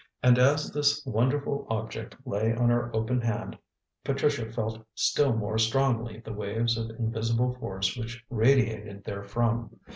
And as this wonderful object lay on her open hand, Patricia felt still more strongly the waves of invisible force which radiated therefrom.